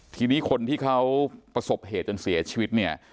ทีนี้คนที่เขาประสบเหตุจนเสียชีวิตเนี่ย